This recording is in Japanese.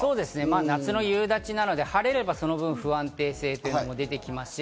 夏の夕立なので、晴れればその分、不安定性が出てきます。